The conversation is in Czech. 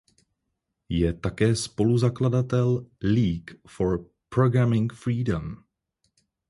Je také spoluzakladatel League for Programming Freedom.